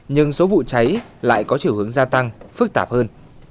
nhưng số vụ cháy lại có chiều hướng gia tăng phức tạp hơn